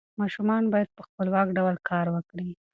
ماشومان باید په خپلواک ډول کار وکړي.